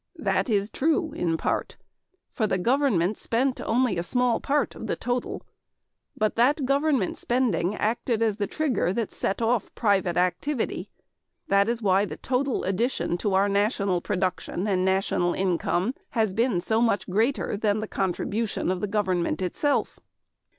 That is true in part, for the government spent only a small part of the total. But that government spending acted as a trigger to set off private activity. That is why the total addition to our national production and national income has been so much greater than the contribution of the government itself.